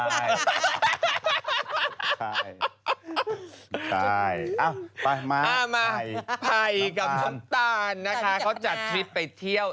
ไผ่กับน้ำตาลนะคะเขาจัดทริปไปเที่ยว